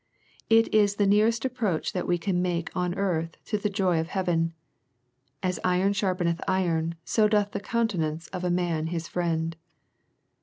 It is the nearest approach that we can make on earth to the joy of heaven. " As iron sharpeneth iron, so doth the countenance of a man his friend."